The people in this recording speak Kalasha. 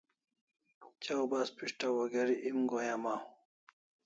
Chaw bas pishtaw o geri em go'in amaw